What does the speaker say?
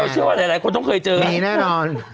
ไม่เชื่อว่าหลายคนต้องเคยเจอนี่แหละนี่แน่นอน